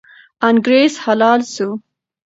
انګریز حلال سو.